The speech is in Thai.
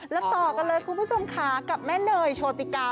แล้วต่อกันเลยคุณผู้ชมค่ะกับแม่เนยโชติกา